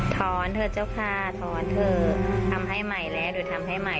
เถอะเจ้าค่ะถอนเถอะทำให้ใหม่แล้วหรือทำให้ใหม่